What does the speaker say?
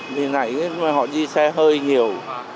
vì nãy họ đi xe hơi nhiều